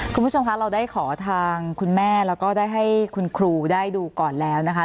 คุณผู้ชมคะเราได้ขอทางคุณแม่แล้วก็ได้ให้คุณครูได้ดูก่อนแล้วนะคะ